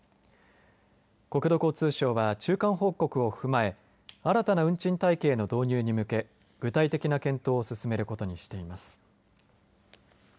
国土交通省は、中間報告を踏まえ新たな運賃体系の導入に向け具体的な検討を進めることにしています。